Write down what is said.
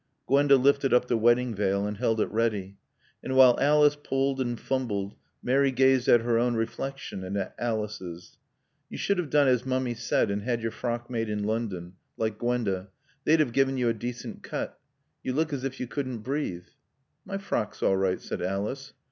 Gwenda lifted up the wedding veil and held it ready. And while Alice pulled and fumbled Mary gazed at her own reflection and at Alice's. "You should have done as Mummy said and had your frock made in London, like Gwenda. They'd have given you a decent cut. You look as if you couldn't breathe." "My frock's all right," said Alice.